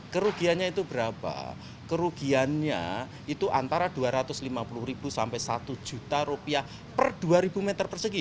kerugiannya itu berapa kerugiannya itu antara dua ratus lima puluh ribu sampai satu juta rupiah per dua ribu meter persegi